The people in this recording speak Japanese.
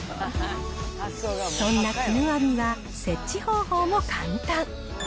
そんなきぬあみは設置方法も簡単。